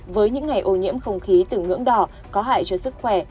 với những ngày ô nhiễm không khí từ ngưỡng đỏ có hại cho sức khỏe